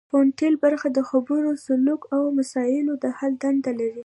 فرنټل برخه د خبرو سلوک او مسایلو د حل دنده لري